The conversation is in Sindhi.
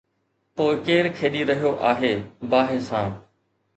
پوءِ ڪير کيڏي رهيو آهي باهه سان؟